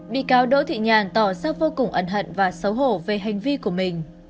bị cáo đỗ thị nhàn tỏ ra vô cùng ẩn hận và xấu hổ về hành vi của mình